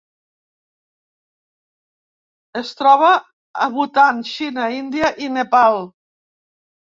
Es troba a Bhutan, Xina, Índia, i Nepal.